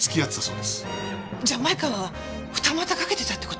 じゃあ前川は二股かけてたって事？